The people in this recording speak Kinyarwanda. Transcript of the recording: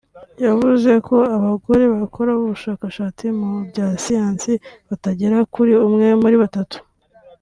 yavuze ko abagore bakora ubushakashatsi mu bya Siyansi batagera kuri umwe muri batatu